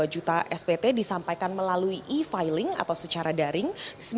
dua juta spt disampaikan melalui e filing atau secara daring